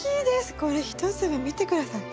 これ１粒見て下さい。